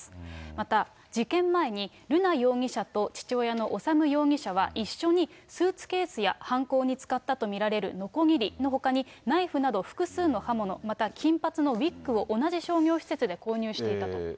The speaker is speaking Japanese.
また、事件前に瑠奈容疑者と父親の修容疑者は、一緒にスーツケースや犯行に使ったと見られるのこぎりのほかに、ナイフなど複数の刃物、また金髪のウイッグを同じ商業施設で購入していたという。